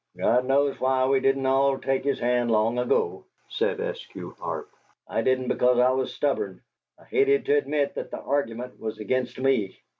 "God knows why we didn't all take his hand long ago," said Eskew Arp. "I didn't because I was stubborn. I hated to admit that the argument was against me.